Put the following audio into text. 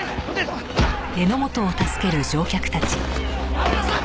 やめなさい！